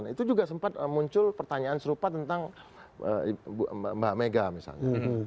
itu juga sempat muncul pertanyaan serupa tentang mbak mega misalnya